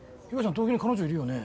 東京に彼女いるよね？